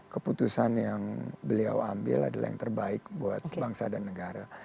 keputusan yang beliau ambil adalah yang terbaik buat bangsa dan negara